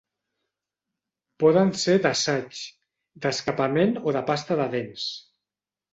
Poden ser d'assaig, d'escampament o de pasta de dents.